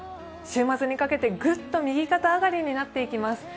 週末にかけて、ぐっと右肩上がりになっていきます。